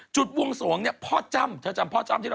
จุดวงสวงเนี่ยพ่อจ้ำ